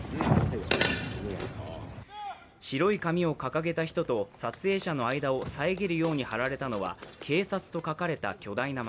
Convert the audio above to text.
白い紙を掲げた人と撮影者の間を遮るようにはられたのは「警察」と書かれた巨大な幕。